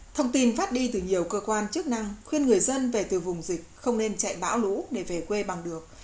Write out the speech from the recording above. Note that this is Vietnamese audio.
thông tin phát đi từ nhiều cơ quan chức năng khuyên người dân về từ vùng dịch không nên chạy bão lũ để về quê bằng được